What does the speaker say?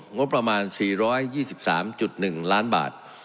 งบประมาณ๔๒๓๑ล้านบาท